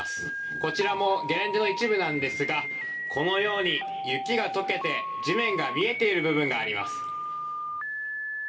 こちらもゲレンデの一部なんですがこのように雪がとけて地面が見えている部分があります。